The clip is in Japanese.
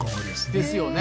ですよね。